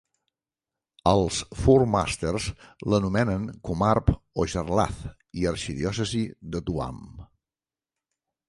Els "Four Masters" l'anomenen Comarb of Jarlath i Arxidiòcesi de Tuam.